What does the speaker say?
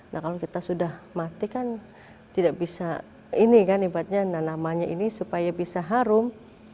nah kalau kita sudah mati kan tidak bisa ini kan ibaratnya namanya ini supaya bisa harum